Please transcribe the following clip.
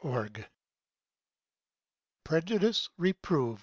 13 PREJUDICE REPROVED.